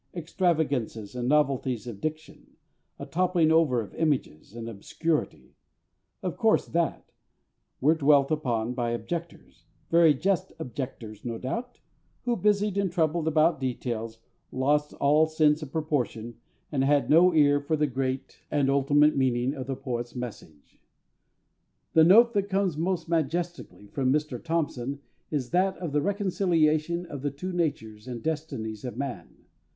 Extravagances and novelties of diction, a toppling over of images, and "obscurity" of course that were dwelt upon by objectors very just objectors, no doubt who busied and troubled about details, lost all sense of proportion, and had no ear for the great and ultimate meaning of the poet's message.... The note that comes most majestically from Mr THOMPSON is that of the reconciliation of the two natures and destinies of man.